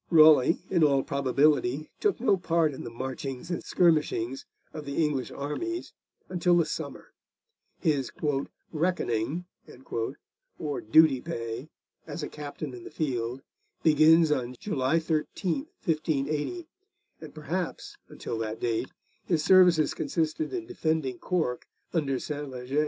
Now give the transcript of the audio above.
Raleigh, in all probability, took no part in the marchings and skirmishings of the English armies until the summer. His 'reckoning,' or duty pay, as a captain in the field, begins on July 13, 1580, and perhaps, until that date, his services consisted in defending Cork under Sentleger.